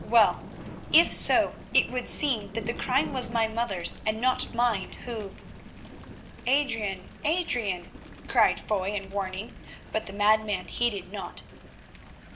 Well, if so, it would seem that the crime was my mother's, and not mine, who——" "Adrian, Adrian!" cried Foy, in warning, but the madman heeded not.